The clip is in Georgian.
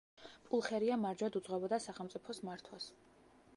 პულხერია მარჯვედ უძღვებოდა სახელმწიფოს მართვას.